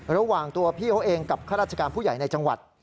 ระหว่างตัวพี่เขาเองกับข้าราชการผู้ใหญ่ในจังหวัด